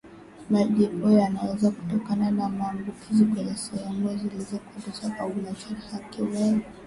Majipu yanaweza kutokana na maambukizi kwenye sehemu zilizokwaruzwa au majeraha kiwewe